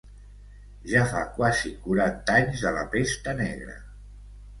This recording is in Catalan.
Ja fa quasi quaranta anys de la pesta negra.